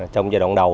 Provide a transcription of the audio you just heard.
trong giai đoạn đầu